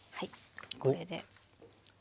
これで。